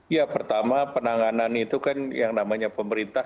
ya pertama penanganan itu kan yang namanya pemerintah